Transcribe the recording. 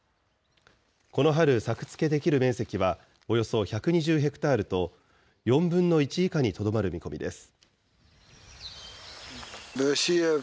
この春、作付けできる面積はおよそ１２０ヘクタールと、４分の１以下にとどまる見込みです。